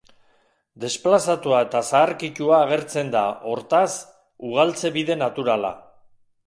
Desplazatua eta zaharkitua agertzen da, hortaz, ugaltze bide naturala.